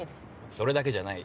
それだけじゃない。